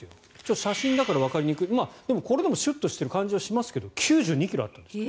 写真だからわかりにくいでもこれでもシュッとしている感じはありますが９２ｋｇあった。